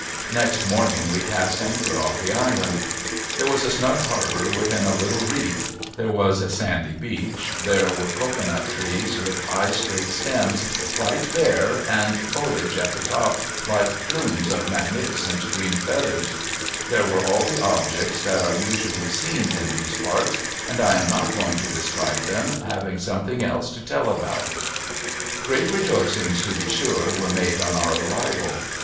Next morning, we cast anchor off the Island. There was a snug harbour within a little reef; there was a sandy beach; there were cocoa nut trees with high straight stems, quite bare, and foliage at the top like plumes of magnificent green feathers; there were all the objects that are usually seen in those parts, and I am not going to describe them, having something else to tell about. (ireat rejoicings, to be sure, were made on our arrival.